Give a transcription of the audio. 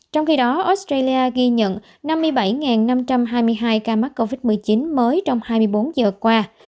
trong khi đó australia ghi nhận năm mươi bảy năm trăm hai mươi hai ca mắc covid một mươi chín mới trong hai mươi bốn giờ qua